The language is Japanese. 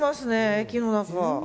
駅の中。